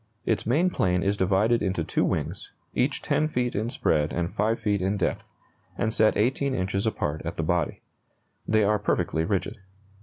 Its main plane is divided into two wings, each 10 feet in spread and 5 feet in depth, and set 18 inches apart at the body. They are perfectly rigid.